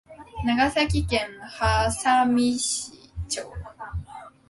長崎県波佐見町